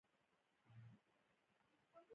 د فراه په پرچمن کې د ګچ کان شته.